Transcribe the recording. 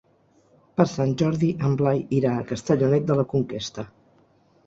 Per Sant Jordi en Blai irà a Castellonet de la Conquesta.